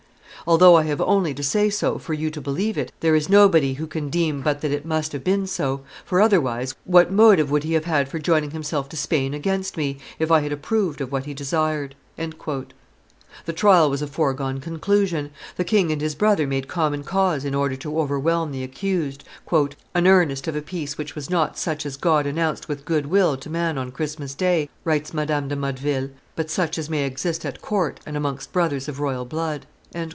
Although I have only to say so for you to believe it, there is nobody who can deem but that it must have been so; for, otherwise, what motive would he have had for joining himself to Spain against me, if I had approved of what he desired?" The trial was a foregone conclusion; the king and his brother made common cause in order to overwhelm the accused, "an earnest of a peace which was not such as God announced with good will to man on Christmas day," writes Madame de Motteville, "but such as may exist at court and amongst brothers of royal blood."